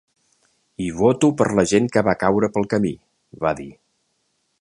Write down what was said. I voto per la gent que va caure pel camí, va dir.